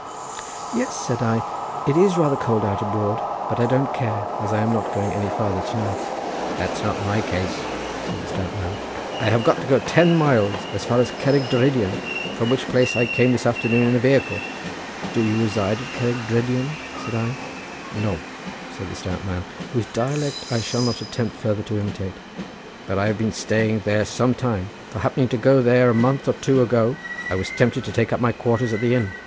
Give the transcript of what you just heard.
"Yes," said I; "it is rather cold out abroad, but I don't care, as I am not going any farther to night." "That's not my case," said the stout man, "I have got to go ten miles, as far as Cerrig Drudion, from which place I came this afternoon in a wehicle." "Do you reside at Cerrig Drudion?" said I. "No," said the stout man, whose dialect I shall not attempt further to imitate, "but I have been staying there some time; for happening to go there a month or two ago I was tempted to take up my quarters at the inn.